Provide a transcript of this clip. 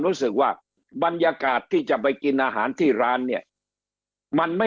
รู้สึกว่าบรรยากาศที่จะไปกินอาหารที่ร้านเนี่ยมันไม่